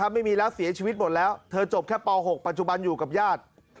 ไม่มีแล้วเสียชีวิตหมดแล้วเธอจบแค่ป๖ปัจจุบันอยู่กับญาติ